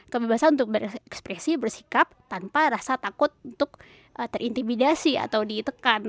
kebebasan untuk berekspresi bersikap tanpa rasa takut untuk terintimidasi atau ditekan